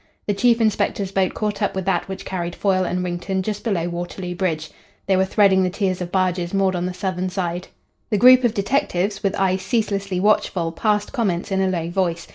The chief inspector's boat caught up with that which carried Foyle and Wrington just below Waterloo Bridge. They were threading the tiers of barges moored on the southern side. The group of detectives, with eyes ceaselessly watchful, passed comments in a low voice.